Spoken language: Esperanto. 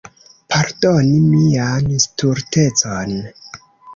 Pardoni mian stultecon.